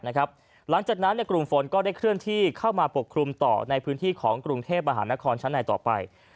หลังจากนั้นกลุ่มฝนก็ได้เคลื่อนที่เข้ามาปกคลุมต่อในพื้นที่ของกรุงเทพมหานครชั้นในต่อไป